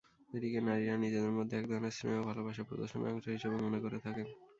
এটিকে নারী-রা নিজেদের মধ্যে একধরনের স্নেহ ও ভালোবাসা প্রদর্শনের অংশ হিসেবে মনে করে থাকেন।